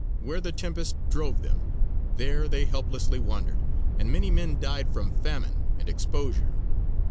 Where the tempest drove them, there they helplessly wandered, and many men died from famine and exposure.